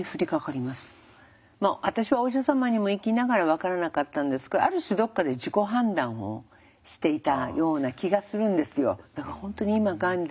私はお医者様にも行きながら分からなかったんですがある種どっかで自己判断をしていたような気がするんですよ。